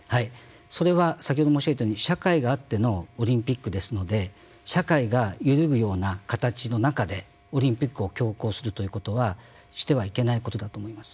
それは先ほど申し上げたように社会があってのオリンピックですので社会が揺るぐような形の中でオリンピックを強行するということはしてはいけないことだと思います。